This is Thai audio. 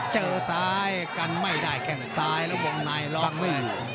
เจอซ้ายกันไม่ได้แข้งซ้ายแล้ววงในร้องไม่อยู่